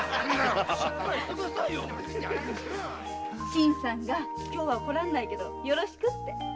新さんが今日は来られないけどよろしくって。